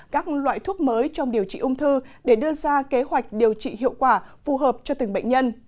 các loại thuốc mới trong điều trị ung thư để đưa ra kế hoạch điều trị hiệu quả phù hợp cho từng bệnh nhân